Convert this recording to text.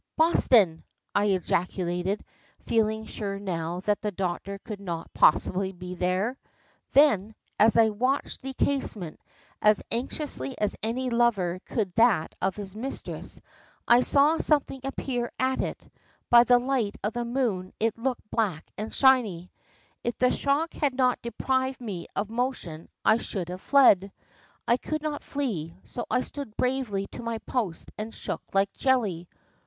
"Boston!" I ejaculated, feeling sure now that the doctor could not possibly be there. Then, as I watched the casement, as anxiously as any lover could that of his mistress, I saw something appear at it: by the light of the moon it looked black and shiny. If the shock had not deprived me of motion I should have fled. I could not flee, so I stood bravely to my post and shook like a jelly.